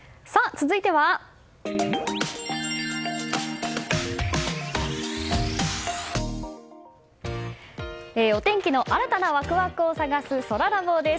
続いてはお天気の新たなワクワクを探すそらラボです。